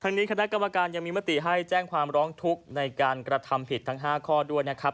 นี้คณะกรรมการยังมีมติให้แจ้งความร้องทุกข์ในการกระทำผิดทั้ง๕ข้อด้วยนะครับ